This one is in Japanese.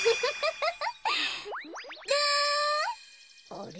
あれ？